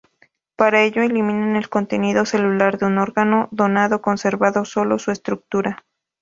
Para ello, eliminan el contenido celular de un órgano donado conservando sólo su estructura.